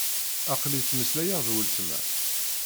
Aql-i ttmeslayeɣ d weltma.